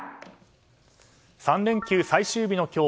３連休最終日の今日